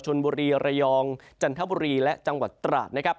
บุรีระยองจันทบุรีและจังหวัดตราดนะครับ